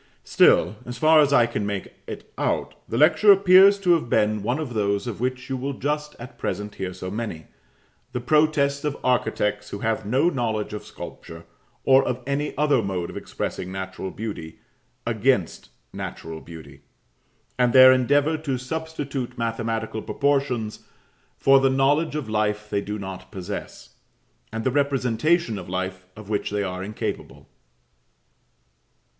Still, as far as I can make it out, the lecture appears to have been one of those of which you will just at present hear so many, the protests of architects who have no knowledge of sculpture or of any other mode of expressing natural beauty against natural beauty; and their endeavour to substitute mathematical proportions for the knowledge of life they do not possess, and the representation of life of which they are incapable.